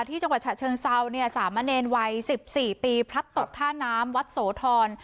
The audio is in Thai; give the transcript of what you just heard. ที่จังหวัดฉะเชิงเศร้าสามัญเอนวัย๑๔ปีพรักตกท่าน้ำวัดโสธร